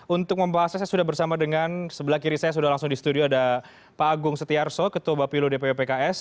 untuk membahasnya saya sudah bersama dengan sebelah kiri saya sudah langsung di studio ada pak agung setiarso ketua bapilo dpw pks